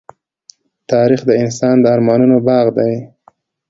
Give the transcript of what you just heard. تاریخ د انسان د ارمانونو باغ دی.